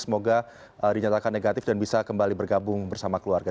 semoga dinyatakan negatif dan bisa kembali bergabung bersama keluarga